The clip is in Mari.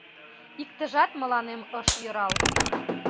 Иктыжат мыланем ыш йӧрал.